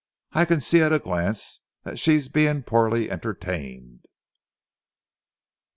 I can see at a glance that she's being poorly entertained."